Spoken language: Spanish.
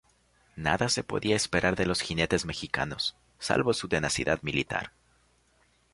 Nada se podía esperar de los jinetes mexicanos, salvo su tenacidad militar.